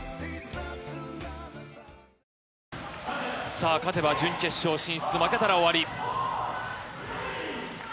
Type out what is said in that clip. さあ、勝てば準決勝進出、負けたら終わり。